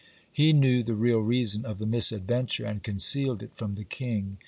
He knew the real reason of the misadventure, and concealed it from the king.